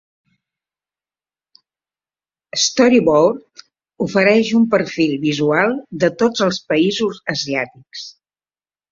"Story Board" ofereix un perfil visual de tots els països asiàtics.